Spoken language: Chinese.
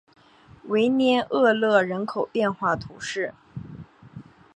维涅厄勒人口变化图示